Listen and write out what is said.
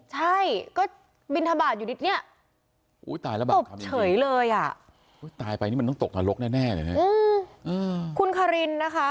หายไปนู่นเลย